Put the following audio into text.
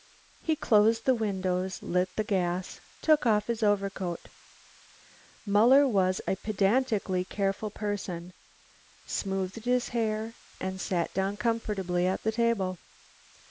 He closed the windows, lit the gas, took off his overcoat Muller was a pedantically careful person smoothed his hair and sat down comfortably at the table.